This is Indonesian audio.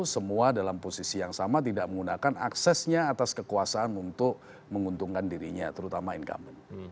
semua dalam posisi yang sama tidak menggunakan aksesnya atas kekuasaan untuk menguntungkan dirinya terutama incumbent